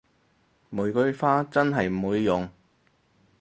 玫瑰花真係唔會用